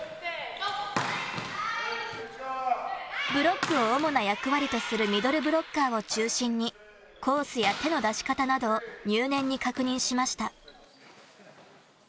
ブロックを主な役割とするミドルブロッカーを中心にコースや手の出し方などを入念に確認しました。